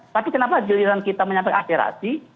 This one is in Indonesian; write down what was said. tapi kenapa giliran kita menyampaikan aspirasi